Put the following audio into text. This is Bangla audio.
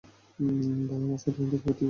ভাই, আমার মেয়ের সাথে দেখা করতে চাই।